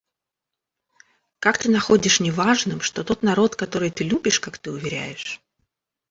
Как ты находишь неважным, что тот народ, который ты любишь, как ты уверяешь...